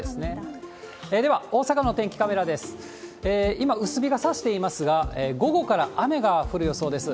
今薄日が差していますが、午後から雨が降る予想です。